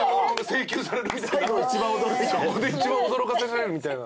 そこで一番驚かせられるみたいな。